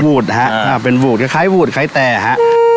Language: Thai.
วูดนะฮะเป็นวูดคล้ายวูดคล้ายแต่ฮะ